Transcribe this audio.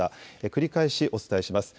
繰り返しお伝えします。